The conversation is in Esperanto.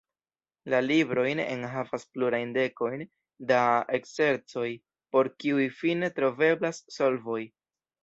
La librojn enhavas plurajn dekojn da ekzercoj, por kiuj fine troveblas solvoj.